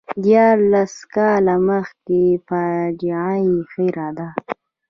دیارلس کاله مخکې فاجعه یې هېره ده.